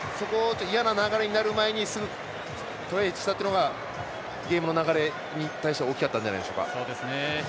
嫌な流れになる前にすぐトライしたというのがゲームの流れに対して大きかったんじゃないでしょうか。